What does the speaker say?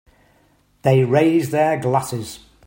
They raise their glasses.